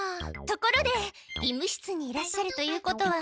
ところで医務室にいらっしゃるということは。